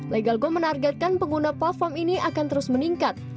legal go menargetkan pengguna platform ini akan terus meningkat